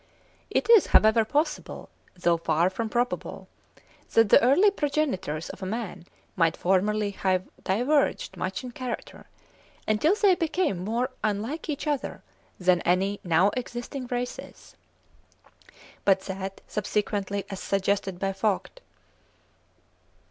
It is however possible, though far from probable, that the early progenitors of man might formerly have diverged much in character, until they became more unlike each other than any now existing races; but that subsequently, as suggested by Vogt (22. 'Lectures on Man,' Eng. translat.